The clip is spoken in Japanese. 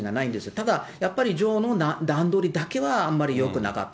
ただやっぱり女王の段取りだけはあんまりよくなかった。